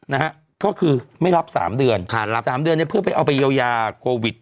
นะฮะก็คือไม่รับสามเดือนครับสามเดือนเนี้ยเพื่อไปเอาไปเยียวยาโควิด